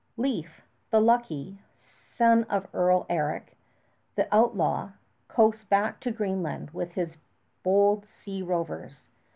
Leif, the Lucky, son of Earl Eric, the outlaw, coasts back to Greenland with his bold sea rovers.